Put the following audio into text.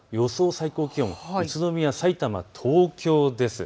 最高気温、宇都宮、さいたま、東京です。